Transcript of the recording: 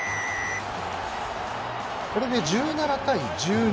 これで１７対１２。